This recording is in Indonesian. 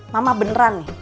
mama beneran nih